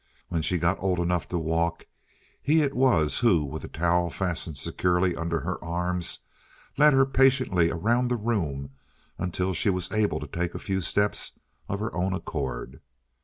When she got old enough to walk he it was who, with a towel fastened securely under her arms, led her patiently around the room until she was able to take a few steps of her own accord.